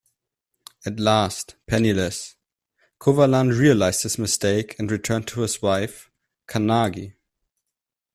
At last, penniless, Kovalan realised his mistake and returned to his wife Kannagi.